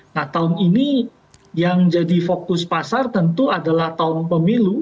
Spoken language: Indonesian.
nah tahun ini yang jadi fokus pasar tentu adalah tahun pemilu